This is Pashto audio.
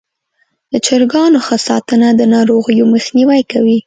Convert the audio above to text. د چرګانو ښه ساتنه د ناروغیو مخنیوی کوي.